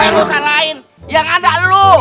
lu salahin yang ada lu